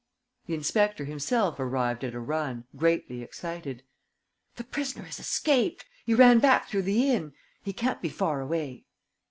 The inspector himself arrived at a run, greatly excited: "The prisoner has escaped! He ran back through the inn! He can't be far away!"